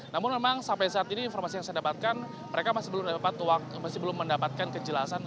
namun memang sampai saat ini informasi yang saya dapatkan mereka masih belum mendapatkan kejelasan